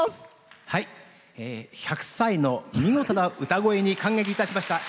１００歳の見事な歌声に感激いたしました。